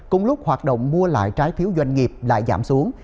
cùng lúc hoạt động mua lại trái phiếu doanh nghiệp lại giảm xuống